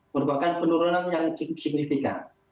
merupakan penurunan yang cukup signifikan